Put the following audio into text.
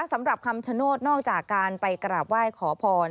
สำหรับคำชโนธนอกจากการไปกราบไหว้ขอพร